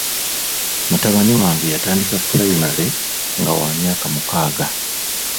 Mutabani wange yatandika pulayimale nga wa myaka mukaaga.